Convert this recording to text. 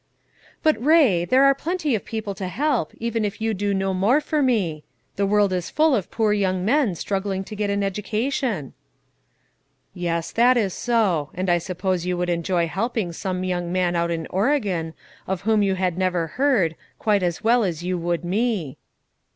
"But, Ray, there are plenty of people to help, even if you do no more for me. The world is full of poor young men, struggling to get an education." "Yes, that is so; and I suppose you would enjoy helping some young man out in Oregon, of whom you had never heard, quite as well as you would me."